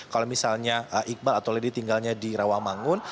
kalau misalnya iqbal atau lady tinggalnya di rawamangun